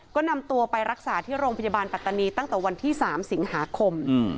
ก็นำตัวไปรักษาที่โรงพยาบาลปัตตานีตั้งแต่วันที่๓สิงหาคม